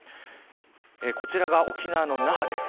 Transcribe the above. こちらは沖縄の那覇です。